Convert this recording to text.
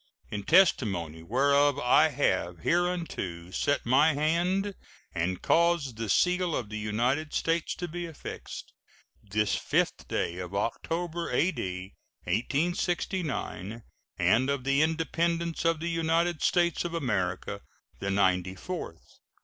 ] In testimony whereof I have hereunto set my hand and caused the seal of the United States to be affixed, this 5th day of October, A.D. 1869, and of the Independence of the United States of America the ninety fourth.